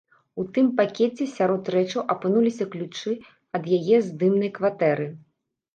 У тым пакеце сярод рэчаў апынуліся ключы ад яе здымнай кватэры.